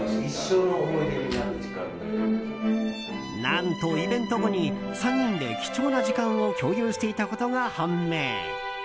何と、イベント後に３人で貴重な時間を共有していたことが判明。